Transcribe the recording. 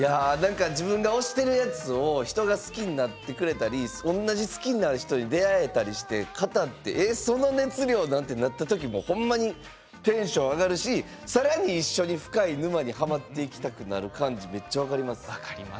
自分が推してるものを人が好きになってくれたり同じ好きな人に出会えたりその熱量となったときほんまにテンションが上がるしさらに一緒に深い沼にはまっていきたくなる感じめっちゃ分かります。